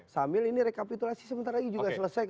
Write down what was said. sambil ini rekapitulasi sebentar lagi juga selesai